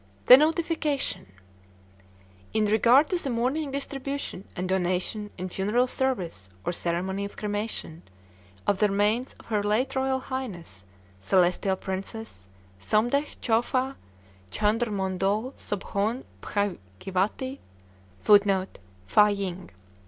"THE NOTIFICATION "In regard to the mourning distribution and donation in funeral service or ceremony of cremation of the remains of Her late Royal Highness celestial Princess Somdetch Chowfa Chandrmondol Sobhon Bhagiawati, [Footnote: Fâ ying.